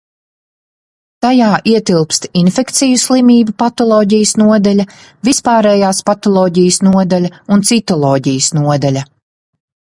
Tajā ietilpst Infekciju slimību patoloģijas nodaļa, Vispārējās patoloģijas nodaļa un Citoloģijas nodaļa.